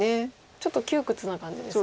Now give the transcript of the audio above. ちょっと窮屈な感じですね